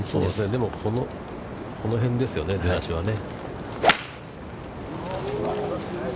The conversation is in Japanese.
でも、この辺ですよね、出だしはね。